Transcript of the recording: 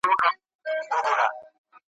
هغه له لوږي په زړو نتلي `